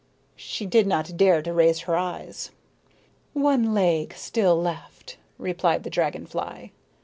She did not dare to raise her eyes. "One leg still left," replied the dragon fly.